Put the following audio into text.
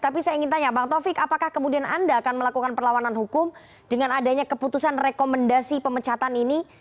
tapi saya ingin tanya bang taufik apakah kemudian anda akan melakukan perlawanan hukum dengan adanya keputusan rekomendasi pemecatan ini